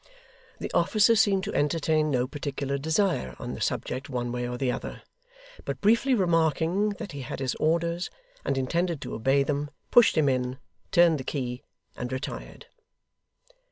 The officer seemed to entertain no particular desire on the subject one way or other, but briefly remarking that he had his orders, and intended to obey them, pushed him in, turned the key, and retired.